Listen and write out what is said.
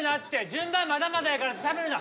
順番まだまだやからってしゃべるな。